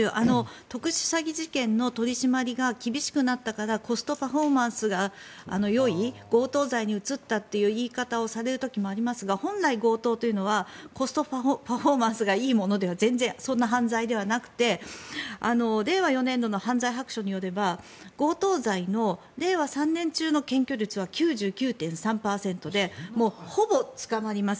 特殊詐欺事件の取り締まりが厳しくなったからコストパフォーマンスがよい強盗罪に移ったという言い方をされる時もありますが本来強盗というのはコストパフォーマンスがいいものではそんな犯罪ではなくて令和４年度の犯罪白書によりますと強盗罪の令和３年中の検挙率は９９．３％でほぼ捕まります。